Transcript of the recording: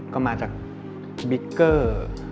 ก็มาจากบิ๊กเกอร์